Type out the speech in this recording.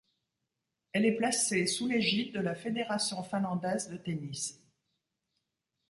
Elle est placée sous l'égide de la Fédération finlandaise de tennis.